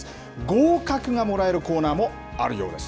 合格がもらえるコーナーもあるようです。